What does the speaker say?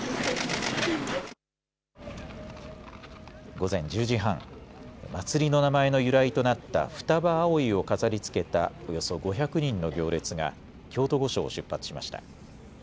午前１０時半、祭りの名前の由来となったフタバアオイを飾りつけた、およそ５００人の行列が京都御所を出発しました。